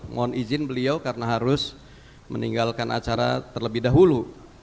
mohon izin beliau karena harus meninggalkan acara terlebih dahulu